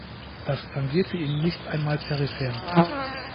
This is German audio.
Das tangierte ihn nicht einmal peripher.